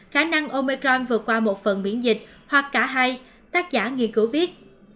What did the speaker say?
khả năng omecron vượt qua một phần miễn dịch hoặc cả hai tác giả nghiên cứu viết